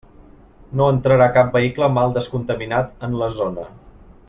No entrarà cap vehicle mal descontaminat en la zona.